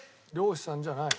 猟師さんじゃない。